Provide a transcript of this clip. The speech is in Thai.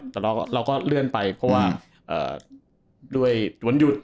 แต่เราก็เลื่อนไปเพราะว่าด้วยวันหยุด